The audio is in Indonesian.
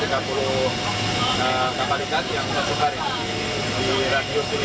kalau kapal terakhir ini juga terkitek di sekitar cina